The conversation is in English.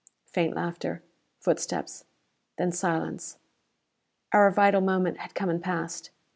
Faint laughter. Footsteps. Then silence. Our vital moment had come and passed.